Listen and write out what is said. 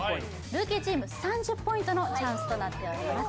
ルーキーチーム３０ポイントのチャンスとなっております